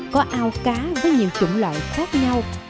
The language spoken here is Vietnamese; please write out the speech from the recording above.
có ao cá với nhiều chủng loại khác nhau